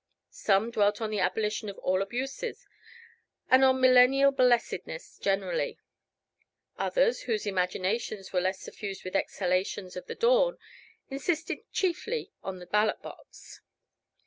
Some dwelt on the abolition of all abuses, and on millennial blessedness generally; others, whose imaginations were less suffused with exhalations of the dawn insisted chiefly on the ballot box.